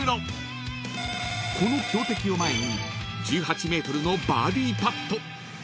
［この強敵を前に１８ｍのバーディーパット］